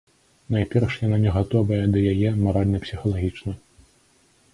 Найперш, яна не гатовая да яе маральна-псіхалагічна.